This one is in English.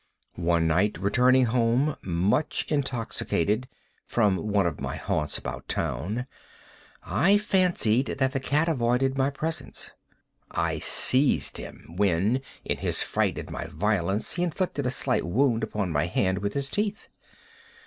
One night, returning home, much intoxicated, from one of my haunts about town, I fancied that the cat avoided my presence. I seized him; when, in his fright at my violence, he inflicted a slight wound upon my hand with his teeth.